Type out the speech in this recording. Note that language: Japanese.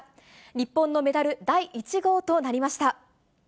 日本のメダル第１号となりました。